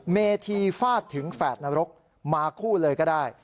เมธีฟาดถึงแฝดนรกมาคู่เลยก็ได้